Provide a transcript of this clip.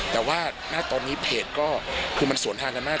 แต่ว่าณตอนนี้เพจก็คือมันสวนทางกันมาก